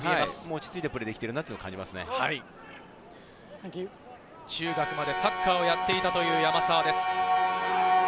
落ち着いてプレーしてる中学までサッカーをやっていた山沢です。